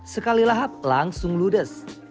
sekali lahap langsung ludes